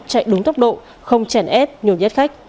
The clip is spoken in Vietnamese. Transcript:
chạy đúng tốc độ không chèn ép nhồi nhét khách